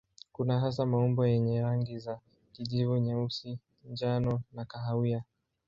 Kuna hasa maumbo yenye rangi za kijivu, nyeusi, njano na kahawia.